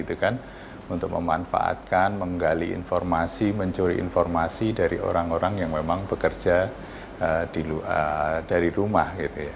untuk memanfaatkan menggali informasi mencuri informasi dari orang orang yang memang bekerja dari rumah